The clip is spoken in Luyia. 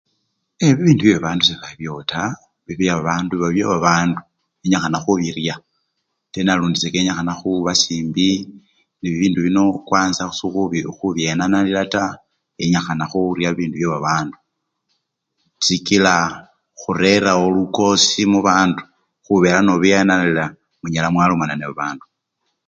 Ee! bibindu byebabandu sebiba bibyowo taa, bindu byebabandu biba byeba bandu, kenyikhana khubirya ate nalundi sekenyikhana khuba simbi nebibindu bino kwanza khusi khubiyenanalila taa yenyikhana khurya bibindu byebabandu sikila khurerawo lukosi mubandu khubela nobiyenenalila munyala mwalomana nebabandu.